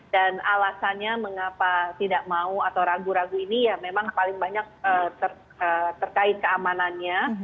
dan alasannya mengapa tidak mau atau ragu ragu ini ya memang paling banyak terkait keamanannya